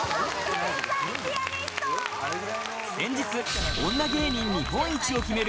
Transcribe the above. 先日、女芸人日本一を決める